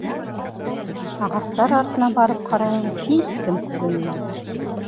Ағастар артына барып ҡарайым — һис кем күренмәй.